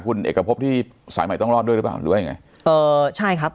คุณเอกพบที่สายใหม่ต้องรอดด้วยหรือเปล่าหรือว่ายังไงเอ่อใช่ครับ